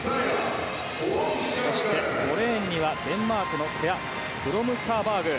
そして５レーンにはデンマークのテア・ブロムスターバーグ。